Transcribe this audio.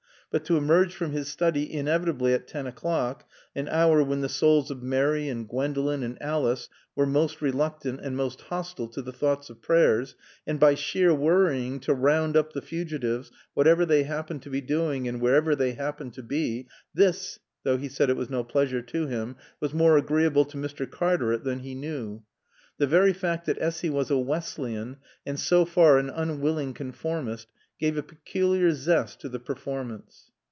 But to emerge from his study inevitably at ten o'clock, an hour when the souls of Mary and Gwendolen and Alice were most reluctant and most hostile to the thought of prayers, and by sheer worrying to round up the fugitives, whatever they happened to be doing and wherever they happened to be, this (though he said it was no pleasure to him) was more agreeable to Mr. Cartaret than he knew. The very fact that Essy was a Wesleyan and so far an unwilling conformist gave a peculiar zest to the performance.